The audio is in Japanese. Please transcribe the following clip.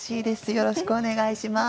よろしくお願いします。